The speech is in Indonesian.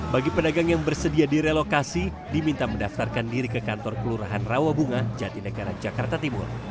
bagi pedagang yang bersedia direlokasi diminta mendaftarkan diri ke kantor kelurahan rawabunga jatinegara jakarta timur